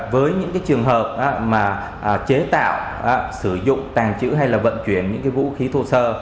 với những trường hợp chế tạo sử dụng tàn trữ hay vận chuyển những vũ khí thu sơ